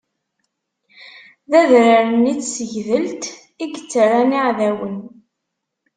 D adrar-nni n Tsegdelt i yettarran iɛdawen.